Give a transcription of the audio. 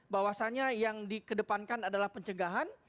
bahwasannya yang dikedepankan adalah pencegahan